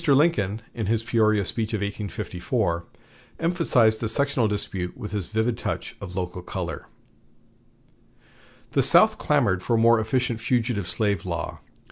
Lincoln, in his Peoria speech in 1854, emphasized the sectional dispute with this vivid touch of local color: "The South clamored for a more efficient fugitive slave law.